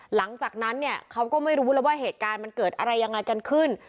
หลังจากนั้นเนี่ยเขาก็ไม่รู้แล้วว่าเหตุการณ์มันเกิดอะไรยังไงกันขึ้น